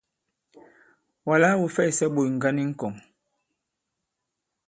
Wàla wū fɛysɛ ɓôt ŋgǎn i ŋ̀kɔ̀ŋ.